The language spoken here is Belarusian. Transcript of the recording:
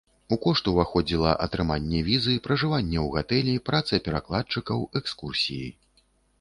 У кошт уваходзіла атрыманне візы, пражыванне ў гатэлі, праца перакладчыкаў, экскурсіі.